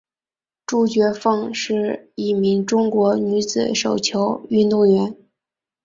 朱觉凤是一名中国女子手球运动员。